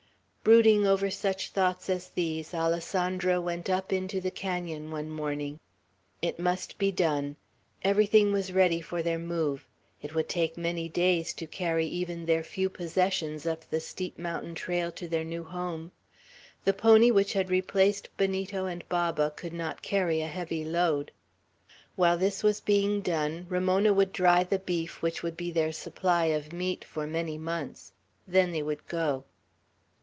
Brooding over such thoughts as these, Alessandro went up into the canon one morning. It must be done. Everything was ready for their move; it would take many days to carry even their few possessions up the steep mountain trail to their new home; the pony which had replaced Benito and Baba could not carry a heavy load. While this was being done, Ramona would dry the beef which would be their supply of meat for many months. Then they would go.